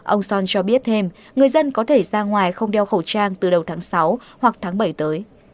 ông son cho biết thêm người dân có thể ra ngoài không đeo khẩu trang từ đầu tháng sáu hoặc tháng bảy tới